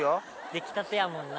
出来たてやもんな。